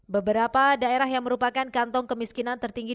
beberapa daerah yang merupakan kantong kemiskinan tertinggi